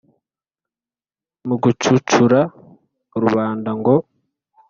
mu gucucura rubanda ngo